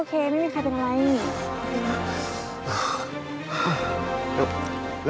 โอ้โฮ